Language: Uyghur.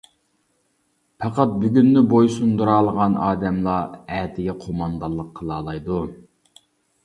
پەقەت بۈگۈننى بويسۇندۇرالىغان ئادەملا ئەتىگە قوماندانلىق قىلالايدۇ.